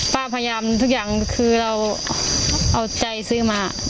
พยายามทุกอย่างคือเราเอาใจซื้อมา